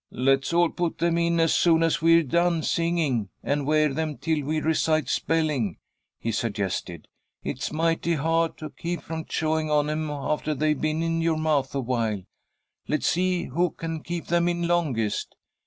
"Let's all put them in as soon as we're done singing, and wear them till we recite spelling," he suggested. "It's mighty hard to keep from chawin' on 'em after they've been in your mouth awhile. Let's see who can keep them in longest.